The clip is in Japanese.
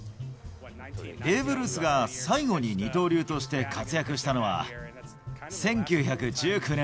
ベーブ・ルースが最後に二刀流として活躍したのは、１９１９年。